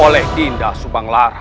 oleh dinda subang lara